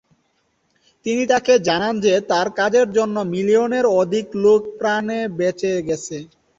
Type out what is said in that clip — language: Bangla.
তিনি তাকে জানান যে তার কাজের জন্য মিলিয়নের অধিক লোকের প্রাণ বেঁচে গেছে।